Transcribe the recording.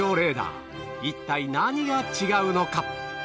一体何が違うのか？